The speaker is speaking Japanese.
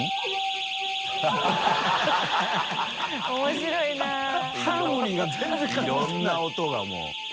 いろんな音がもう。